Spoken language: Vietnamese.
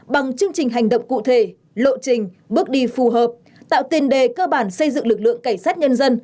bằng chương trình hành động cụ thể lộ trình bước đi phù hợp tạo tiền đề cơ bản xây dựng lực lượng cảnh sát nhân dân